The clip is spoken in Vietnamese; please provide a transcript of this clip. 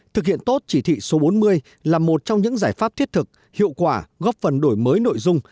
thực hiện tốt chỉ thị số bốn mươi là một trong những giải pháp thiết thực hiệu quả góp phần đổi mới nội dung